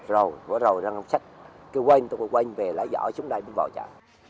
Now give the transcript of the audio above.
rồi vừa rồi ra ngắm sách kêu quên tôi quên về lá giỏ xuống đây mới vào chợ